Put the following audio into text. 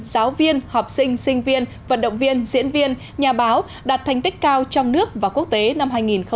giáo viên học sinh sinh viên vận động viên diễn viên nhà báo đạt thành tích cao trong nước và quốc tế năm hai nghìn một mươi tám